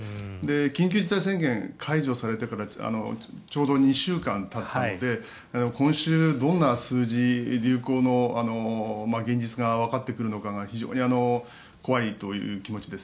緊急事態宣言解除されてからちょうど２週間たったので今週、どんな数字流行の現実がわかってくるのかが非常に怖いという気持ちです。